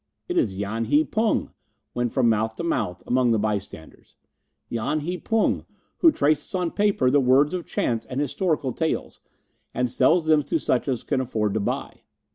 "It is Yan hi Pung," went from mouth to mouth among the bystanders "Yan hi Pung, who traces on paper the words of chants and historical tales, and sells them to such as can afford to buy.